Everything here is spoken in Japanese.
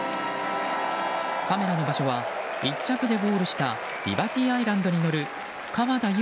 カメラの場所は１着でゴールしたリバティアイランドに乗る川田将